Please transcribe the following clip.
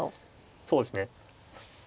そうですね。